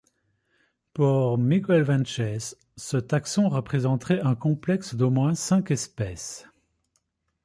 Pour Miguel Vences, ce taxon représenterait un complexe d'au moins cinq espèces.